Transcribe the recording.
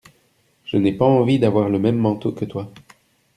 Je n’ai pas envie d’avoir le même manteau que toi.